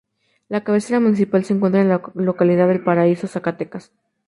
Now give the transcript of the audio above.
La cabecera municipal se encuentra en la localidad de Valparaíso, Zacatecas.